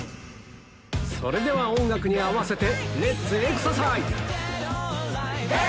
それでは音楽に合わせてレッツエクササイズ！ヘイ！